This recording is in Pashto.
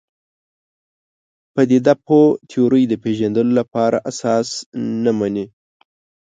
پدیده پوه تیورۍ د پېژندلو لپاره اساس نه مني.